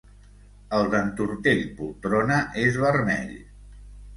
El d'en Tortell Poltrona és vermell.